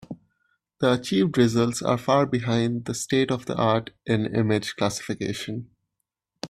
The achieved results are far behind the state-of-the-art in image classification.